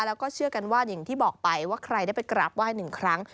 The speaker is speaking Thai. แล้วก็เชื่อกันว่าอย่างที่บอกไปว่าใครได้ไปกราบไหว้หนึ่งครั้ง